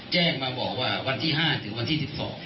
แจ้งมาบอกว่าวันที่๕ถึงวันที่๑๒